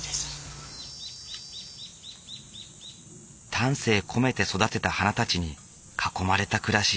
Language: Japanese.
丹精込めて育てた花たちに囲まれた暮らし。